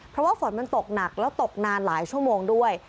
เพราะว่าฝนมันตกหนักแล้วตกนานหลายชั่วโมงด้วย